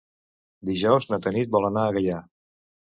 Dijous na Tanit vol anar a Gaià.